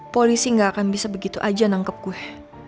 polisi gak akan bisa begitu aja nangkep gue